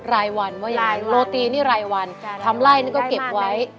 ไล่วันว่าอย่างนั้นโรตีนี่ไล่วันทำไล่ก็เก็บไว้